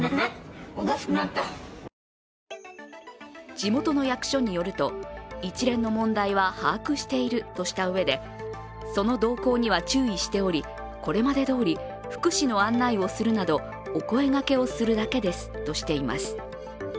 地元の役所によると、一連の問題は把握しているとしたうえでその動向には注意しており、これまでどおり福祉の案内をするなどお声がけをするだけですとしています。